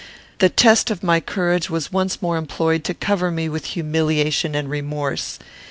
The test of my courage was once more employed to cover me with humiliation and remorse.